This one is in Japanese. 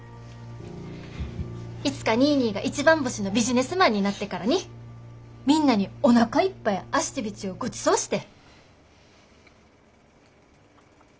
いつかニーニーが一番星のビジネスマンになってからにみんなにおなかいっぱい足てびちをごちそうして！